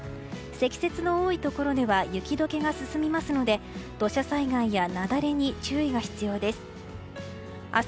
積雪の多いところでは雪解けが進みますので土砂災害や雪崩に注意が必要です。